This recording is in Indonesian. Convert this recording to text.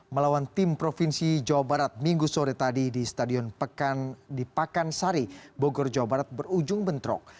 melawan tim provinsi jawa barat minggu sore tadi di stadion di pakansari bogor jawa barat berujung bentrok